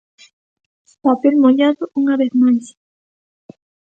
Papel mollado unha vez máis.